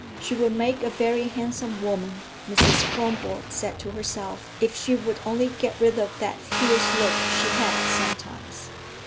She would make a very handsome woman, Mrs. Kronborg said to herself, if she would only get rid of that fierce look she had sometimes.